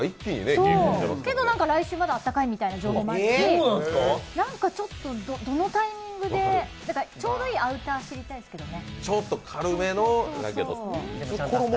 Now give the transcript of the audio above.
けど、来週は、まだあったかいみたいな情報もあるし、何かちょっと、どのタイミングで、ちょうどいいアウター知りたいですけどね。